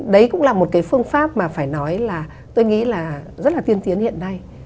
đấy cũng là một cái phương pháp mà phải nói là tôi nghĩ là rất là tiên tiến hiện nay